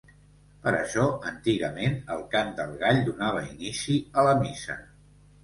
Per això, antigament, el cant del gall donava inici a la missa.